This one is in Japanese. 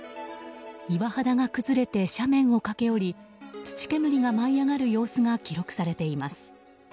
岩肌が崩れて斜面を駆け下り土煙が舞い上がる様子が記録されています。